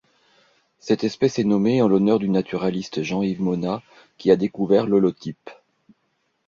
Cette espèce est nommée en l'honneur du naturaliste Jean-Yves Monnat qui a découvert l'holotype.